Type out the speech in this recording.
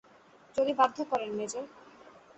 যদি বাধ্য করেন, মেজর।